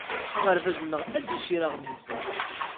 Aɣerbaz-nneɣ ad d-icir aɣmis.